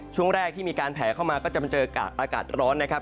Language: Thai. ช่วงแรกที่มีการแผลเข้ามาก็จะมาเจอกับอากาศร้อนนะครับ